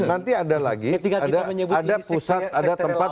nanti ada lagi ada tempat